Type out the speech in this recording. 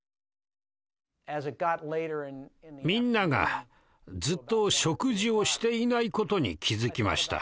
みんながずっと食事をしていない事に気付きました。